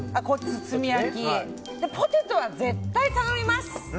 ポテトは絶対頼みます！